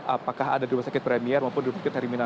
apakah ada di rumah sakit premier maupun di rumah sakit terminal